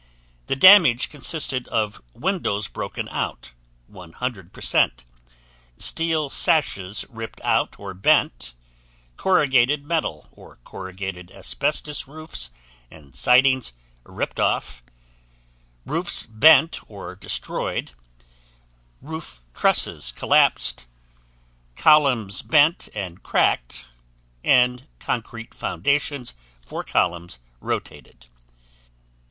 The damage consisted of windows broken out (100%), steel sashes ripped out or bent, corrugated metal or corrugated asbestos roofs and sidings ripped off, roofs bent or destroyed, roof trusses collapsed, columns bent and cracked and concrete foundations for columns rotated.